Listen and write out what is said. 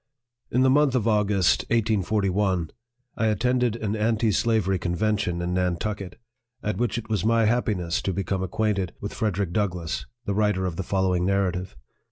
IN the month of August, 1841, 1 attended an anti slavery convention in Nantucket, at which it was my happiness to become acquainted with FREDERICK DOUG LASS, the writer of the following Narrative.